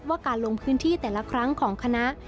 การลงพื้นที่แต่ละครั้งของคณะ